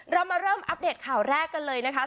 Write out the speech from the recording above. เรามาเริ่มอัปเดตข่าวแรกกันเลยนะคะ